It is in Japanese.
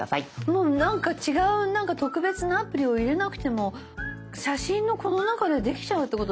もうなんか違う特別なアプリを入れなくても写真のこの中でできちゃうってことですか？